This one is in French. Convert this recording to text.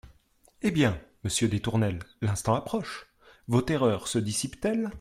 Eh bien ! monsieur des Tournelles, l’instant approche ; vos terreurs se dissipent-elles ?